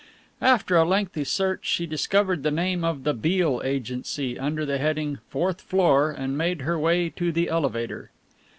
After a lengthy search she discovered the name of the Beale Agency under the heading "fourth floor" and made her way to the elevator.